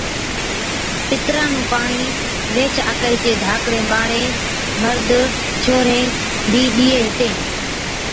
پِتران نُون پاڻِي ويھِچ آڪھِي چين ڌاڪڙين ٻاڙين (مرد، ڇوھرين) بِي ڏِيئَي ھِتين